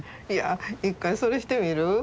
いや一回それしてみる？